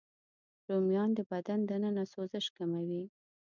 رومیان د بدن دننه سوزش کموي